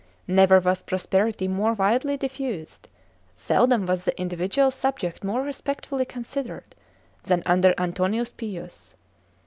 Never was prosperity more widely diffused, seldom was the individual subject more respectfully considered, than under Antoninus Pius.